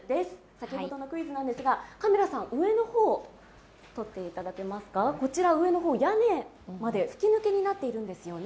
先ほどのクイズなんですが、カメラさん、上の方こちら、屋根まで吹き抜けになっているんですよね。